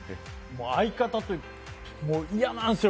相方という、嫌なんですよ